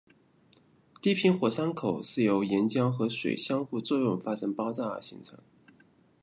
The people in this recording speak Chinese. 低平火山口是由岩浆和水相互作用发生爆炸而形成。